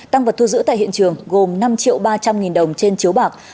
tăng vật thu giữ tại hiện trường gồm năm triệu ba trăm linh nghìn đồng trên chiếu bạc